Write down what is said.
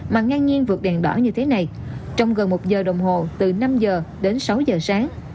mà ngang nhiên vượt đèn đỏ như thế này trong gần một giờ đồng hồ từ năm giờ đến sáu giờ sáng